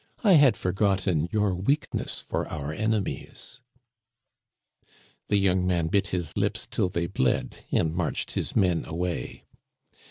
I had forgotten your weakness for our enemies." The young man bit his lips till they bled, and marched his men away.